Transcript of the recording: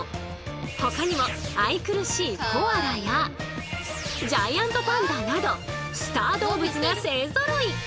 ほかにも愛くるしいコアラやジャイアントパンダなどスター動物が勢ぞろい！